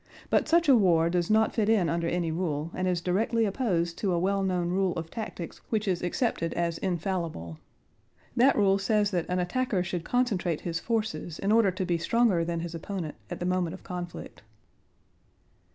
But such a war does not fit in under any rule and is directly opposed to a well known rule of tactics which is accepted as infallible. That rule says that an attacker should concentrate his forces in order to be stronger than his opponent at the moment of conflict.